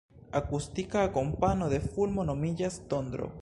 Akustika akompano de fulmo nomiĝas tondro.